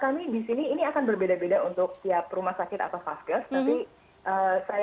kami di sini ini akan berbeda beda untuk tiap rumah sakit atau vaskes tapi saya sendiri jam kerjanya berbeda beda